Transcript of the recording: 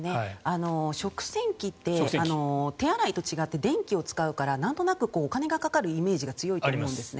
食洗機って手洗いと違って電気を使うからなんとなくお金がかかるイメージが強いと思うんですね。